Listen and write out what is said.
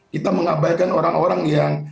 kita mengabaikan orang orang yang